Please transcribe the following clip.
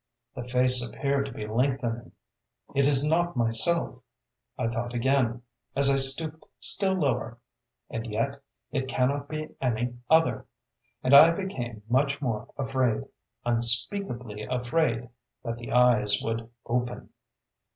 The face appeared to be lengthening.... 'It is not Myself,' I thought again, as I stooped still lower, 'and yet, it cannot be any other!' And I became much more afraid, unspeakably afraid, that the eyes would open....